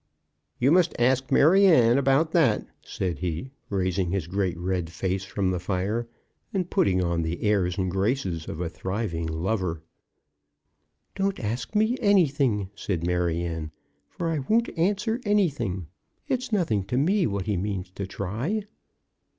"You must ask Maryanne about that," said he, raising his great red face from the fire, and putting on the airs and graces of a thriving lover. "Don't ask me anything," said Maryanne, "for I won't answer anything. It's nothing to me what he means to try."